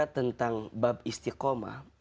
bicara tentang bab istiqomah